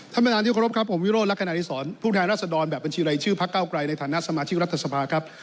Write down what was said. ท่านประธานที่เคารพครับผมวิโรธลักษณะอดีศรผู้แทนรัศดรแบบบัญชีรายชื่อพักเก้าไกลในฐานะสมาชิกรัฐสภาครับ